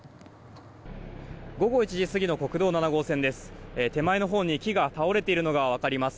午後１時過ぎの国道７号線です。